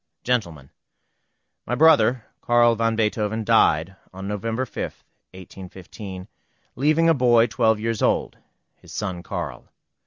GENTLEMEN, My brother, Carl van Beethoven, died on November 5, 1815, leaving a boy twelve years old, his son Carl.